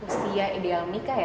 usia ideal menikah ya